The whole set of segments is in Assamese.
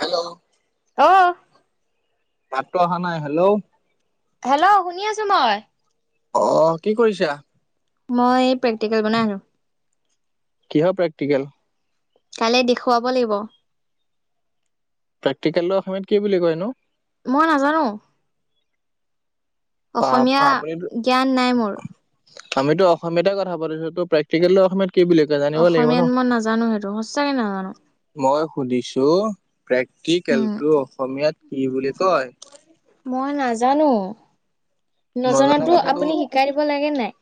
হেল্ল' অ'। মাতটো অহা নাই হেল্ল'! হেল্ল' শুনি আছো মই। অ', কি কৰিছা। মই প্ৰেক্টিকেল বনাই আছো। কিহ প্ৰেক্টিকেল? কাইলে দেখুৱাব লাগিব। প্ৰেক্টিকেলতো অসমীয়াত কি বুলি কয় নো? মই নাজানো। অ', অসমীয়া আপুনি জ্ঞান নাই মোৰ আমিতো অসমীয়াতে কথা পাতিছো ত' প্ৰেক টিকেলটো অসমীয়াত কি বুলি কয় জানিব লাগিব ন! এ, নাজানো। মই সুধিছোঁ উম। প্ৰেক্টিকেলটো অসমীয়াত কি বুলি কয়? মই নাজানো। নজনা নজনাতো কথাটো, আপুনি শিকাই দিব লাগে নাই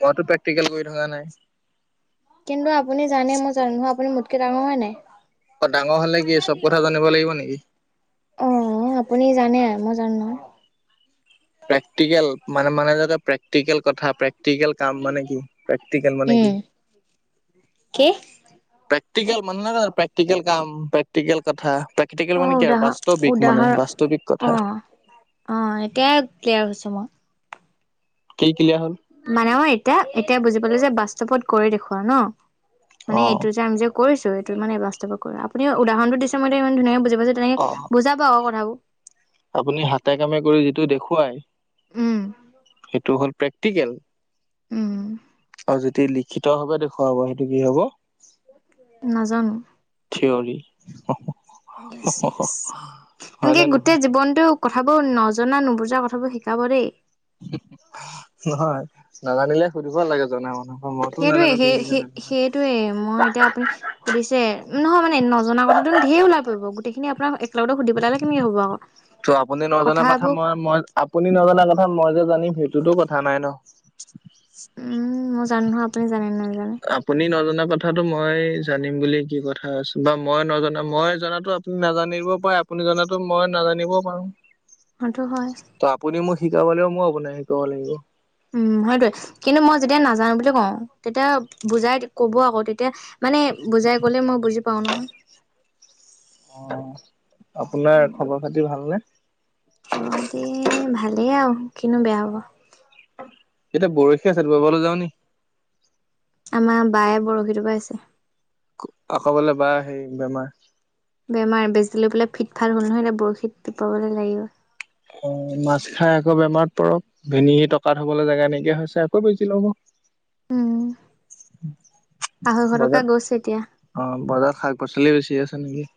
মইটো প্ৰেক্টিকেল কৰি থকা নাই। [unintelligible] কিন্তু আপুনি জানে মই জানো নহয় আপুনি মোতকে ডাঙৰ হয় নাই? অ ডাঙৰ হলে কি চব কথা জানিব লাগিব নেকি? অ', আপুনি জানে। মই জানো নহয়। প্ৰেক্টিকেল, মানে মানে যাতে প্ৰেক্টিকেল কথা প্ৰ্টিক কাম মানে কি প্ৰে্টিকেল মানে কি উম কি? প্ৰেক্টিকেল মানুে নহয় জ প্ৰেক্টিকেল কাম প্ৰেক্টিকেল কথায। অ উদাহৰ উদাহৰ বাস্তৱিক অ কথা অ এতিয়াৰ্ ক্লিয়াৰ হৈছো মই। সেই মানে মই এতিয়া এতিয়া বুজি পালো যে বাস্তৱত গৈ দেখুৱৱা ন মানে অ এইটো যে আমি যে কৰিছো এইটো মানে বাস্তৱো আপুনি উদাহৰণটো দিছে মই ইমান ধুনাক বুজাই তাৰ পিছ তেনেকে অ বুজাবা আক কথাবোৰ আপুনি হাতে কামে কৰি যিটো দেখুৱাই উ। সেইটো হ'ল প্ৰেক্টিকেল। উ। আৰু যদি লিখিতভাৱে দেখুৱাব,? সেইটো কি হব নাজানো থিয়ৰী হয় নে এনেকে নহয় গোটেই জীৱনটো কথাবোৰ নজনা নুবুজা কথাবোৰ শিকাব দেই। নহয়, নাজানিলে সুধিব লাগে জনা মানুহ। সেইটোৱে সেই সেই সেইটোৱে মই এতিয়া আপুনি সুধিছে নহয় মানে নজনা কথাটো ধেৰ ওালাই পৰিব গোতেইখিনি আপোনাৰেলগত সুি পেলালে কেনেক হব আকৌ ত' আপুনি নজনা কথা কথাবোৰ মই মই আপুনি নজনা কথা মই যে জানিম সেই ততো কথা নাই ন। উম মই জানো নহয় আপুনি জানেনে নাজানে আপুনি নজনা কথা কথাটো মই জানিম বুলিুল কি কথা আছ বা মই নজনা মই জ--নাতো আপুনি নাজানিব পাৰে আপুনি জো মই নাজানিবও পাৰো। সেইটো হয় ত আপুনি মোক শিকাব লাগিব মই আপনাই শিকাব লাগিব। উম হয়টে কিন্তু মই যেতিয়া নাজানো বুলি কওঁ তেতিয়া বুজাই কব আকৌ তেতিয়া মানে বুজাই গলে মই বুজি পাওঁ নহয় অ আপোনাৰ খবৰ খাতি ভালনে? খবৰ খাতি ভালেই আৰু কিনো বেয়া হব। এতিয়া বৰশী আছে বৰবলৈ যাওঁ নি। আমাৰ বায়ে বৰশীটো পাইছে আকবলে বেয়া সেই বেমাৰ। বেমাৰ বেজ লৈ পেললে ফিটফাল হ'ল নহয় এতিয়া বৰশীত িপাবলৈ লাগিব অ মাছ খাই আকৌ বেমাৰত পৰক ভিনি টকাাত হবলৈ জেগা নাইকিয়া হৈছে আকৌ বেছি লবম্প উম আঢ়ৈশ টকা বজাৰ অ গৈছে এতিয়া বজাৰত শাক পাচলি বেছি আছে নেকি?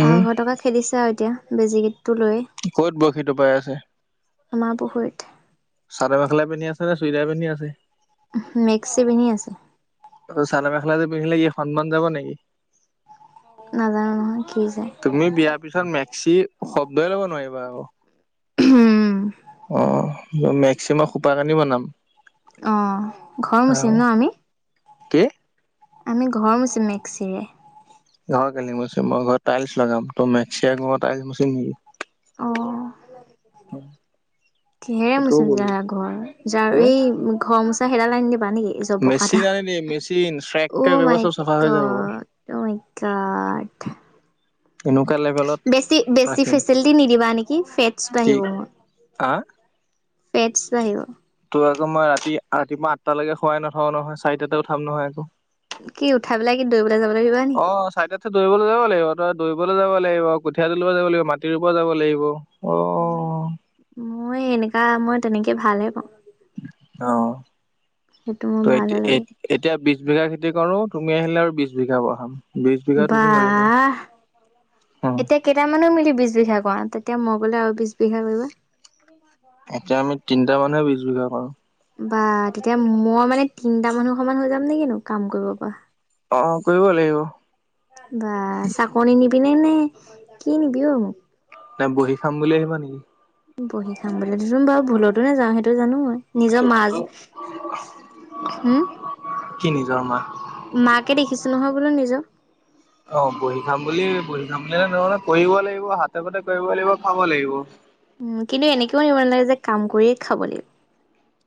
উম আহৈশৰ টকা খেদিছে আৰু এতিয়া বেজি কেই। ক'ত বশিত পাই আছে? আমাৰ পুখুৰীত চাদ মেখেলাই পিন্ধি আছে ন চুইতাৰ পিন্ধি আছে। মেক্স পিন্ধি আছে। ত চালা মেখেলাতে পিন্ধিলে কি সন্মান যাব নেকি? নাজানো নহয় কি যে তুমি বিয়াৰ পিছত মে সি শব্দই ল'ব নোৱাৰিবা আৰু উম, অ, মেক্সিমাম খোপা কানি বনাম অ, ঘৰ মুচিম ন আমি কে, আমি ঘৰ মচি মেক্সিৰে। ঘৰ কেি ম মই ঘৰত টাইলছ লগাম তই মেক্সিয় টাইলছ মচ নেকি অ আহ, কিহেৰে মচিম তেতিয়া হ'লে ঘৰ যাৰ এ এই ঘৰ মোচা সেইডালাই নি দিব মেচিন আনি দিম মেচিন চেককে কৰিব চব [unintelligible] উ, বেছি বেছি ফেচিলিটি নিদিবা নেকি ফেটছ বাঢ়িব মোৰ। হা, ফেটচ বাঢ়িব তোমাক আকৌ মই ৰাতি ৰাতিপুৱা আঠটালৈকে খুৱাই নথাও নহয় চাৰিটাতেও উঠাম নহয় আকৌ কি উঠাই পেলাই কি দৌৰিবলৈ যাব লাগিব। ত দৌৰিবলৈ যাব লাগিব তই দৌৰিবলৈ যাব লাগিব কুঠীয়া দৌৰিব যাব লাগিব মাটিৰ পৰাপ যাব লাগিব। অ' উ, মই এনেকা মই তেনেকে ভালে পাওঁ। অ' সেইটো ত মোৰ ভালহে লাগে। এতিয়া বি বিঘা খেতি কৰো তুমি আহিলে আৰু বিশ বিঘা বঢ়াম বিশ বিঘা তুমি কৰিবা বাবে উম এতিয়া কেইটামানো মিলি বি বিঘা ক ত এতিয়া মগলে আৰু বিছ বিঘা কৰিবা এতিয়া আমি তিনটা মানুহে বিছ বিঘা পাৰো বা তেতিয়া মই মানে তিনটা মানুহ সমান হৈ যাম নেকিনো কাম কৰিব পৰা অ, কৰিব লাগিব। বা চাকনি নিবিনে নে কি নিবি ঔ নাই, বহি খাম বুলি আহিবা নেকি? বহি খাম বোলে দেচোন বু ভুলতো নে যাওঁ সেই সেইটোতো হম কি নিজৰ মা মাকে দেখিছো নহয় বোলো নিজৰ অ, বহী খাম বুলি বহী খাম বুলিে নে কৰিব লাগিব হাতে পাতে কৰিব লাগিব খাব লাগিব। উ, কিন্তু এনেকেও নিব নালাগে যে কাম কৰিয়ে খাব লাগ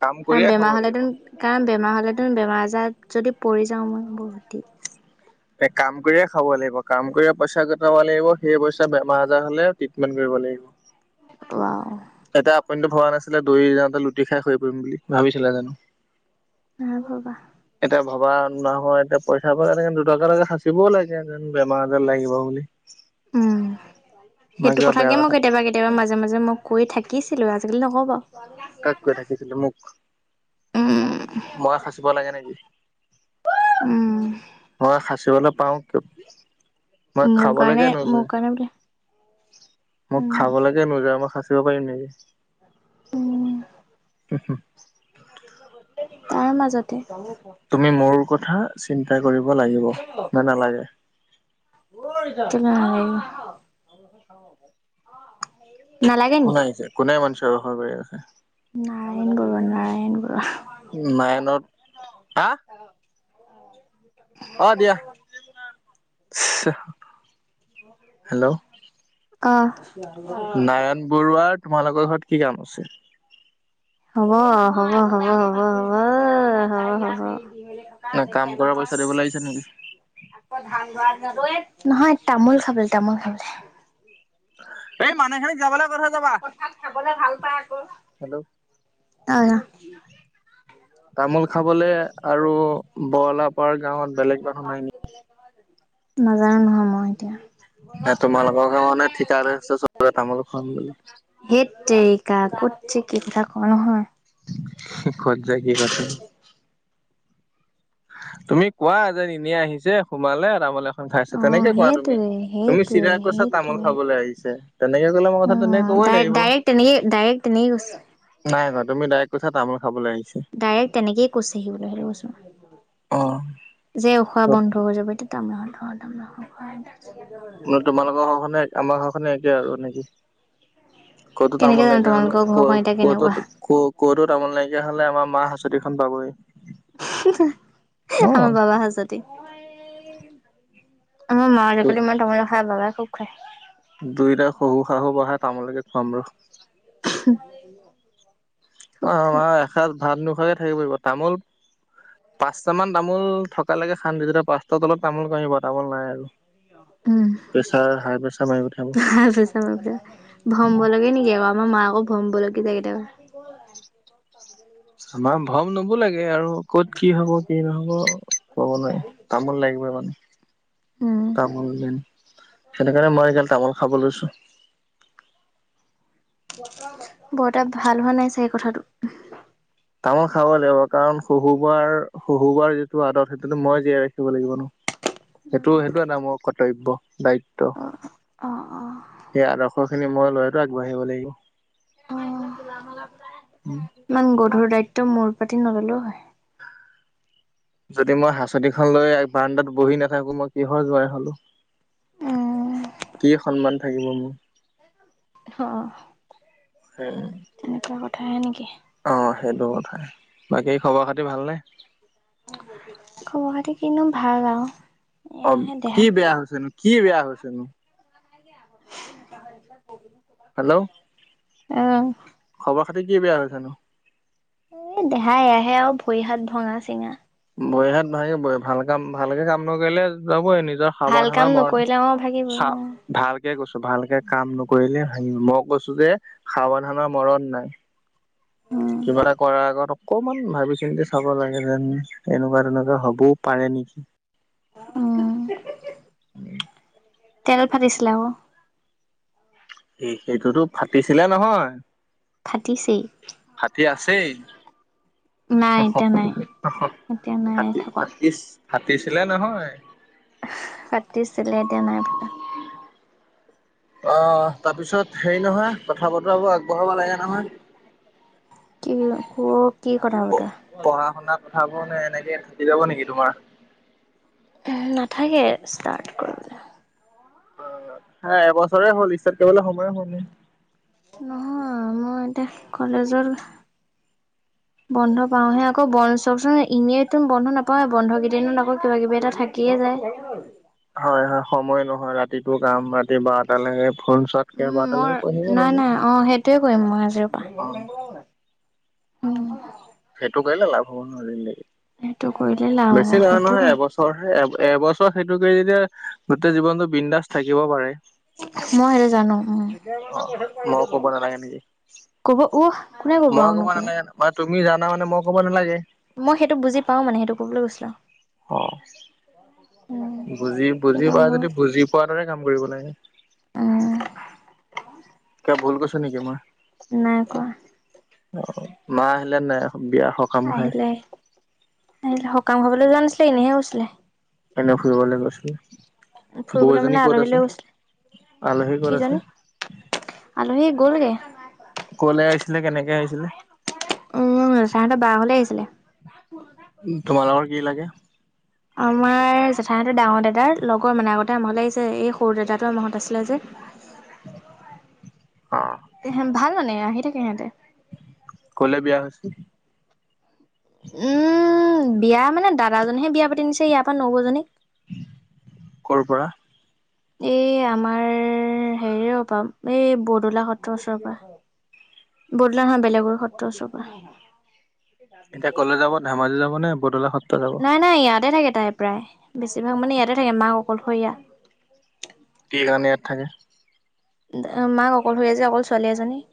কাম কৰিয়ে কাৰণ খাব বেমাৰ লাগিব হলেতো কাৰণ বেমাৰ হ'লে বেমাৰ আজাৰ যদি পৰি যাওঁ মই বহুত দ কাম কৰিয়ে খাব লাগিব কাম কৰি পইচা গটাব লাগিব সেই পইচা বেমাৰ আজাৰ হলে ট্ৰিটমেণ্ট কৰিব লাগিব অ, তাতে আপুনিটো ভবা নাছিলে দৰি যাওঁতে লুটি খাই হৈ পৰিব বুলি, ভাবিছিলে জানো? নাই, ভবা এতিয়া ভবা নহয় এতিয়া পইচা পৰা এনেক দুটকালৈকে সাঁচিবও লাগেন বেমাৰ আজাৰ লাগিব বুলি। উম, নহয় সেইটো কিবা বেয়া কথাকে মোক কথা কেতিয়াবা কেতিয়াবা মাজে মাজে মোক কৰি থাকিছিলোঁ আজিকালি নকও' বাৰু কাক কৈ থাকিছিলে মোক! উম মই সাঁচিব লাগে নেকি। উম, মই সাঁচিবলৈ পাওটো মই উম মোৰ খাব কাৰণে লৈকে মোৰ কাৰণে বোলে নোজোৰে মোক উম খাবলৈকে নোজোৰে মই সাঁচিব পাৰিম নেকি। উম তাৰ মাজতে তুমি মোৰ কথা চিন্তা কৰিব লাগিব নে নালাগে নাই কোনো আহিছে কোনে ইমানচে কৰি আছে নাৰায়ণ বৰুৱা, নাৰায়ণ বৰুৱা মাইনত হ আহ দিয়া হেল্ল' অ নাৰায়ণ বৰুৱাৰ তোমালোকৰ ঘৰত কি কাম আছে হ'ব হ'ব হ'ব হ'ব হব হব হব মেলি থকা কাম দেখে কৰা নহয় পইচা দিব লাগিছে নেকি? আকৌ ধান গোৱাৰদে নহয় তামোল খাবলৈ তামোল খাবলৈ হে জাবলা অ পথাত খাবলে ভাল পায় আকৌ হেল্ল' তামোল খাবলে আৰু বৰালাপাৰ গাঁৱত বেলেগ মানুহ নাই নেকি নাজানো নহয় মই এতিয়া ঘৰত তোমাৰ তোমালোকৰ যিমান গাঁৱত নে ঠিকা লৈছে চবে তামোল খাম বুলি সেই ক কতছে কি কথা কওঁ নহয় কত যায় কি কথা তুমি কোৱা যে এনে আহিছে সোমালে তমানে খাইছ অ', তেনেকে কোৱা সেইটোৱে তুমি সেইটোৱে চিধা কৈছা তামোল সেইটোৱে। খাবলৈ আহিছে তেনেকে কলে মই কথা তেনেকে অ', কবই লাগিব ডাইৰেক্ট তেনেকে ডাইৰেক্ট তেনেকে কৈছে নাই তুমি ডাইৰেক্ট কৈছা তামোল খাবলৈ আহিছে ডাইৰেক্ট তেনেকেইে কৈছে সিলৈহ কৈচোন অ যে উখোৱা বন্ধ হৈ যাব এতিয়া তামত ত মানে তোমালোকৰ ঘৰখনে আমাৰ ঘৰখনে একে আৰু নেকি ক'তো কেনেকে তামোল জানো নাইকিয়ীয়া হ'লে তোমালোকৰ ক ঘৰখন এতিয়া ক'তত কেনেকুৱা ক ক'তো তামোল নাইকিয়া হ'লে আমাৰ মাহ হাচতি খনত পাবই আমাৰ বাবা হাচতি আমাৰ মাই আজি অ কালি ইমান তামোল নাখাই বাবা খুব খাই দুইটা শহু শাহু বহাই তামোলকে খোৱাম ৰ [inaudible] অ খাই এসজ ভাত নোখাকে থাকিব পিব তামোল পাঁচটা মান তামোল থকালৈকে খান্দি তেতিয়া পাঁচটাৰ তলত তামোল কামিব তামোল নাই আৰু উম প্ৰেছাৰ হাই প্ৰেছাৰ মাৰি পঠিয়াব ত পিছ ম প ভম্ব লাগে নেকি আৰু আমাৰ মাকা আকৌ ভম বোলকীব কেতিয়াবা আমাৰ ভম নবলাকে আৰু ক'ত কি হব কি নহব কব নোৱাৰি তামোল লাগিব মানে উম। তামোল দিন সেইনে কাৰণে মই গাল তামোল খাবলৈছো হয় বৰ তা ভাল হোৱা নাই চাগ এই কথাটো তামোল খাবই লাগিব কাৰণ শহু বোৱাৰ শহু বোৱাৰ যিটো আদত সেই সটো মই জীয়াই ৰাখিব লাগিব নো সেইটো সেইটো এটা মোৰ কৰ্তব্য দায়িত্ব অ', অ', অ', সেই আদৰ্শ খিনি মই লয়তো আগবাঢ়িব লাগিব উম ইমান গধুৰ দায়িত্ব সেইটো মূৰ পাতি নললেও হয় যদি মই হাঁচনিখন লৈ বাৰাণদাত বহি নাথাকো মই কিহৰ যোৱাই হলো উম, কি সন্মান থাকিব মোৰ অ মোৰ তেনেকুৱা কথাহে নেকি অ সেইটো কথাাই বাকী খবৰ খাতি ভালনে খবৰ খাতি কিনো ভাল আৰু অ এয়াহে দেহা কি বেয়া হৈছেনো কি বেয়া হৈছেনো [unintelligible] হেল্ল' আহ খবৰ খাতি কি বেয়া হৈছেনো এ দেহাই এয়াহে আৰু ভৰি হাত ভঙা চিঙা ভৰি হাত ভাঙিবই ভাল কাম ভালকে কাম নকৰিলে যাবই নিজৰ ভাল সাৱধানা কাম নকৰিলে অ' ভাগিবই মৰা অ'। ভালকে কৈছো ভালকে কাম নকৰিলে হ মই কৈছো যে সাৱধানৰ মৰণ নাই উম, কিবা এটা কৰাৰ আগত অকমান ভাবি চিন্তি চাব লাগে যেন এনেকুৱা তেনেকুৱা হবও পাৰে নেকি। উম তেল ফাটিছিলে আকৌ। এ সেইটোতো ফাটিছিলে নহয়। ফাটিছেই। নাই এতিয়া নাই এতিয়া নাই থকা [unintelligible] ফাতিছিলে নহয়। পাতিছিলে এতিয়া নাই পতা। অ তাৰপিছত হেৰি নহয় কথা বতৰাবোৰ আগবঢ়াব লাগে নহয় কি যে ক কি কথা বতৰা পঢ়া শুনা কথাবোৰ নে এনেকে থাকি যাব নেকি তোমাৰ নাথাকে ষ্টাৰ্ট কৰিবলৈ অ হে এবছৰে হ'ল ষ্টাৰ্ট কৰিবলে সময় হোৱা নাই নহয় মই এতিয়া কলেজৰ বন্ধ পাওঁহে আকৌ বন্ধ চাবচোন এনেইটো বন্ধ নাপাওঁ বন্ধ কেইদিনত আকৌ কিবা কিবি এটা থাকিয়ে যা। [unintelligible] হয় হয় সময় নহয় ৰাতিটো কাম ৰাতি বাৰটা লৈকে। উম মই নাই নাই অ সেইটোয়ে কৰিম মই আজিৰ অ পৰা। উম। সেইটো কৰিলে লাভ হ'ব সেইটো কৰিলে লাভ হ'ব বেছি নহয় নহয় সেইটোয়ে এবছৰহে এ। এবছৰ সেইটো কৰি যেতিয়া গোটেই জীৱনটো বিন্দাস থাকিব পাৰে। মই সেইটো জানো উম। অ মই ক'ব [unintelligible] নালাগে নেকি কব উহ কোনে কব মই আৰু নকলে। নালাগে বা তুমি জানা মানে মই ক'ব নালাগে। মই সেইটো বুজি পাওঁ মানে সেইটো কবলৈ গৈছিলো। অ বুজি বুজি কিন্তু পোৱা মই যদি বুজি পোৱাৰ দৰে কাম কৰিব লাগে। উম ভুল কৈছোঁ নেকি মই। নাই কোৱা অ মা আহিলে নে নাই। বিয়া সকাম খাই আহিলে আহিলে সকাম খাবলৈ যোৱা নাছিলে এনেহে গৈছিলে। এনে ফুৰিবলৈ গৈছিলোঁ। ফুৰিবলৈ মানে আলহী লৈ গৈছিলে আলহী ক'ত আছে কিজানি আলহী। গ'লগে। ক'লৈ আহিছিলে কেনেকে আহিছিলে। উম তাহঁতে বা ঘৰলে আহিছিলে। তোমাৰলোকৰ কি লাগে। [unintelligible] অ ভাল মানে আহি থাকে সিহঁতে। কলৈ বিয়া হৈছে। উম বিয়া মানে দাদাজনীহে বিয়া পাতি নিছে ইয়াৰ পৰা নবৌ জনীক। ক'ৰ পৰা। এই আমাৰ হেৰিৰ পৰা এই বৰদলা সত্ৰৰ ওচৰৰ পৰা। বৰদলা নহয় বেলেগ সত্ৰৰ ওচৰৰ পৰা। এতিয়া কলৈ যাব ধেমাজি যাব নে বৰদলা সত। নাই নাই ইয়াতে থাকে তাই প্ৰায় বেছিভাগ মানে ইয়াতে থাকে মাক অকলশৰীয়া। কি কাৰণে ইয়াত থাকে। মাক অকলশৰীয়া যে অকল ছোৱালী এজনী।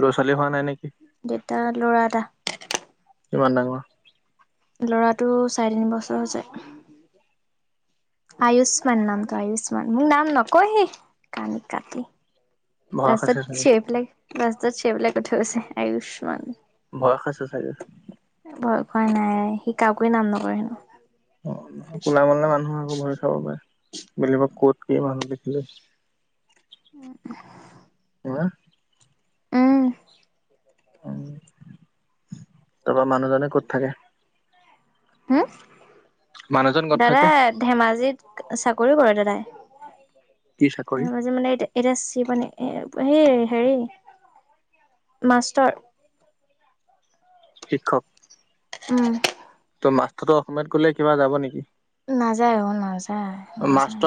ল'ৰা-ছোৱালী হোৱা নাই নেকি। তা ল'ৰা এটা। কিমান ডাঙৰ। ল'ৰাটো চাৰে তিনি বছৰ হৈছে। আয়ুস্মান নামটো আয়ুস্মান মোক নাম নকয়হি কানি কাটি। ভয় ৰাস্তাত খাইছে চাগে চিাইবিলাক ৰাস্তাত চিবেলাই কথা কৈছে আয়ুস্মান। বয়স আছে চাগে। ভয় নাই সি কাকোয় নাম নকৰে হেনো। অ কোলা মলে মানুহ আকৌ ভৰি খাব পাৰে বিব ক'ত কি মানুহ দেখিলি। উম [unintelligible] উম। উম তাৰপৰা মানুহজনে ক'ত থাকে। হম মানুহজন ক'ত দাদা থাকে ধেমাজিত। চাকৰি কৰে দাদাই কি চাকৰি তাৰ মাজে মানে এতি এতিয়া। [unintelligible] সেই হেৰি মাষ্টৰ। শিক্ষক। উম মাছটোতো অসমীয়াত গলে কিবা যাব নেকি? নাযায় অ নাযায় নাযায় ন। মাষ্টৰ